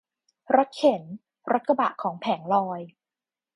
รถเข็น รถกระบะของแผงลอย